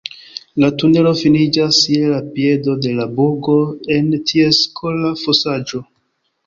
La tunelo finiĝas je la piedo de la burgo, en ties kola fosaĵo.